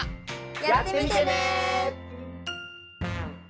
やってみてね。